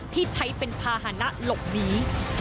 ที่ใช้เป็นภาษณะหลบหนี